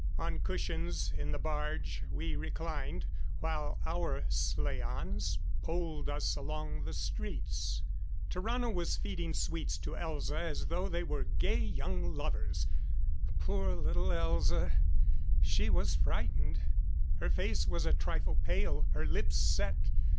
On cushions in the barge we reclined while our slaans poled us along the streets. Tarrano was feeding sweets to Elza as though they were gay young lovers. Poor little Elza! She was frightened. Her face was a trifle pale, her lips set.